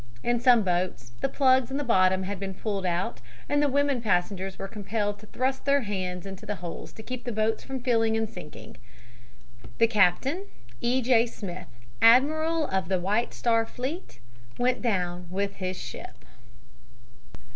In some boats the plugs in the bottom had been pulled out and the women passengers were compelled to thrust their hands into the holes to keep the boats from filling and sinking. The captain, E. J. Smith, admiral of the White Star fleet, went down with his ship.